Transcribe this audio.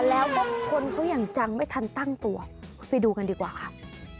แล้วก็ชนเขาอย่างจังไม่ทันตั้งตัวไปดูกันดีกว่าครับ